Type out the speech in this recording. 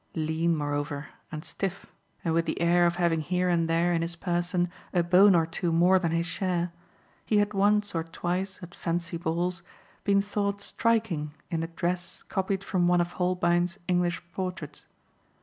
Lean moreover and stiff, and with the air of having here and there in his person a bone or two more than his share, he had once or twice, at fancy balls, been thought striking in a dress copied from one of Holbein's English portraits.